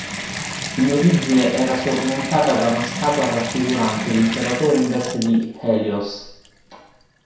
In origine era sormontata da una statua raffigurante l'imperatore in veste di "Helios".